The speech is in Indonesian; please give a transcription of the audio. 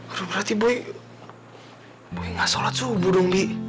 aduh berarti bu ibu nggak sholat subuh dong bi